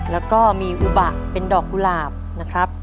แล้วก็มีอุบะเป็นดอกกุหลาบนะครับ